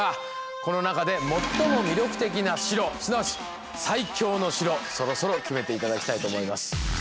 この中で最も魅力的な城すなわち最強の城そろそろ決めて頂きたいと思います。